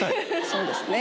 そうですね。